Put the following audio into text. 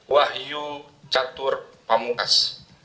wahyu catur pamukas